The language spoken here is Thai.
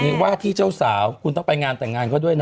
มีว่าที่เจ้าสาวคุณต้องไปงานแต่งงานเขาด้วยนะ